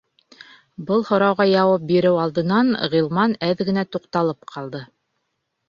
Был һорауға яуап биреү алдынан Ғилман әҙ генә туҡталып ҡалды.